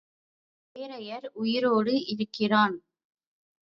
தேரையர் உயிரோடு இருக்கிறான்.